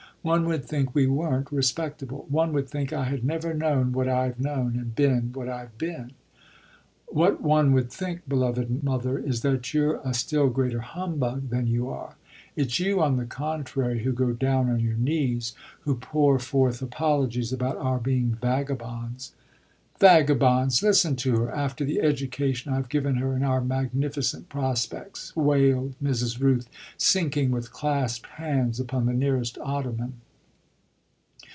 "One would think we weren't respectable one would think I had never known what I've known and been what I've been." "What one would think, beloved mother, is that you're a still greater humbug than you are. It's you, on the contrary, who go down on your knees, who pour forth apologies about our being vagabonds." "Vagabonds listen to her! after the education I've given her and our magnificent prospects!" wailed Mrs. Rooth, sinking with clasped hands upon the nearest ottoman.